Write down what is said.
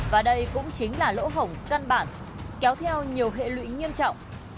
và đây cũng chính là lỗ hổng căn bản kéo theo nhiều hệ lụy nghiêm trọng